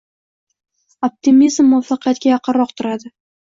«Optimizm muvaffaqiyatga yaqinroq turadi